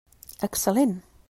Excel·lent!